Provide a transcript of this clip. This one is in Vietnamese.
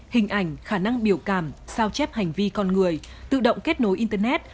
hình ảnh khả năng biểu cảm sao chép hành vi con người tự động kết nối internet